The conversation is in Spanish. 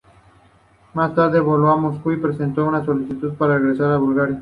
Más tarde, voló a Moscú y presentó una solicitud para regresar a Bulgaria.